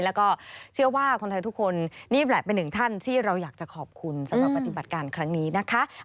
แล้วก็เชื่อว่าคนไทยทุกคนนี่แหละเป็นหนึ่งท่านที่เราอยากจะขอบคุณสำหรับปฏิบัติการครั้งนี้นะคะ